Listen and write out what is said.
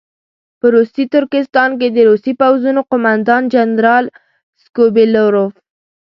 په روسي ترکستان کې د روسي پوځونو قوماندان جنرال سکوبیلروف.